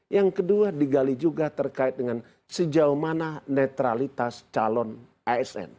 yang kedua digali juga terkait dengan sejauh mana netralitas calon asn